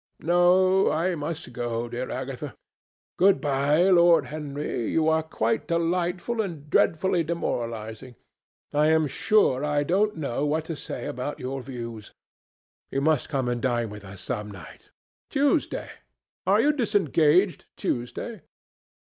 No, I must go, dear Agatha. Good bye, Lord Henry, you are quite delightful and dreadfully demoralizing. I am sure I don't know what to say about your views. You must come and dine with us some night. Tuesday? Are you disengaged Tuesday?"